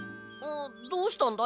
どうしたんだ？